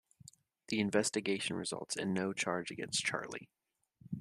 The investigation results in no charge against Charlie.